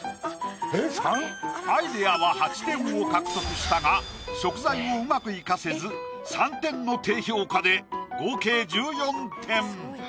アイディアは８点を獲得したが食材をうまく生かせず３点の低評価で合計１４点。